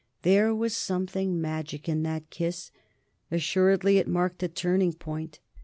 There was something magic in that kiss; assuredly it marked a turning point.